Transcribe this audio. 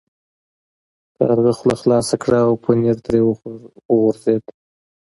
کارغه خوله خلاصه کړه او پنیر ترې وغورځید.